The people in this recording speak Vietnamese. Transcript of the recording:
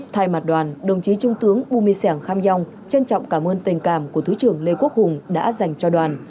thay mặt đoàn đồng chí trung tướng bu mê sẻng kham yong trân trọng cảm ơn tình cảm của thứ trưởng lê quốc hùng đã dành cho đoàn